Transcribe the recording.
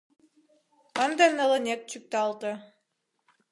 Ынде нылынек чӱкталте.